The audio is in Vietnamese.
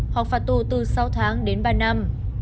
hoặc phạt tù từ sáu tháng đến ba năm